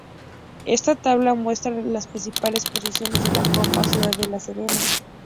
Esta tabla muestra las principales posiciones de la Copa Ciudad de La Serena.